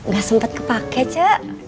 gak sempet kepake cek